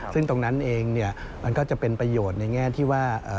ซึ่งตรงนั้นเองเนี่ยมันก็จะเป็นประโยชน์ในแง่ที่ว่า